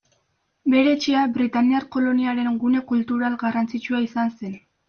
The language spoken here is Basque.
Bere etxea britainiar koloniaren gune kultural garrantzitsua izan zen.